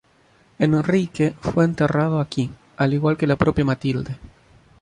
Enrique fue enterrado aquí, al igual que la propia Matilde.